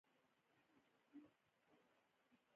افغانستان کې ځمکه د خلکو له بېلابېلو اعتقاداتو سره تړاو لري.